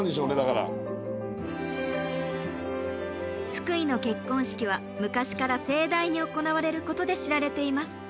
福井の結婚式は昔から盛大に行われることで知られています。